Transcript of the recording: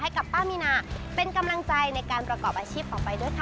กับป้ามีนาเป็นกำลังใจในการประกอบอาชีพต่อไปด้วยค่ะ